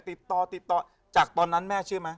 ติดต่อติดต่อจากตอนนั้นแม่เชื่อไหม